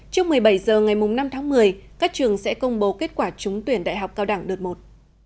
trước một mươi bảy h ngày năm tháng một mươi các trường sẽ công bố kết quả trúng tuyển đại học cao đẳng đợt một